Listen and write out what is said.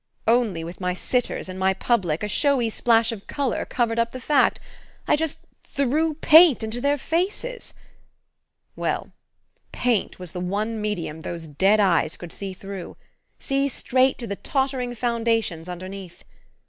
Only, with my sitters and my public, a showy splash of colour covered up the fact I just threw paint into their faces.... Well, paint was the one medium those dead eyes could see through see straight to the tottering foundations underneath.